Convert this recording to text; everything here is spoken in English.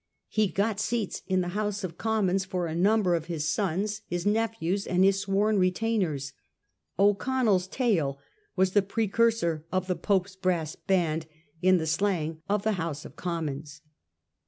He got seats in the House of Commons for a number of his sons, his nephews, and his sworn retainers. ' O'Connell's tail ' was the precursor of ' the Pope's Brass Band * in the slang of the House of Commons.